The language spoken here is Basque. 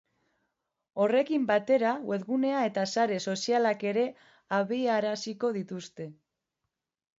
Horrekin batera webgunea eta sare sozialak ere abiaraziko dituzte.